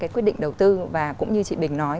quyết định đầu tư và cũng như chị bình nói